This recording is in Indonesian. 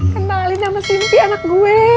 kenalin sama si impi anak gue